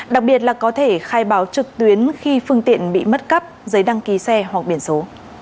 đặc biệt là có thể khai báo trực tuyến khi phương tiện bị mất cắp giấy đăng ký xe hoặc biển số